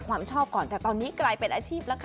ความชอบก่อนแต่ตอนนี้กลายเป็นอาชีพแล้วค่ะ